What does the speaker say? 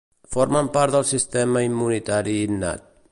Formen part del sistema immunitari innat.